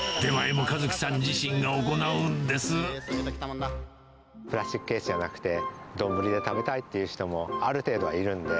そう、プラスチックケースじゃなくて、丼で食べたいっていう人もある程度はいるんで。